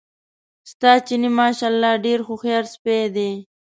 ستا چیني ماشاءالله ډېر هوښیار سپی دی.